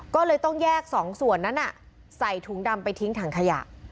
ก็เลยต้องแยก๒ส่วนนั้นใส่ถุงดำไปทิ้งถังขยะ